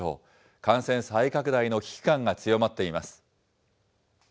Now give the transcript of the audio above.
感染再拡大の危機感が強まっています。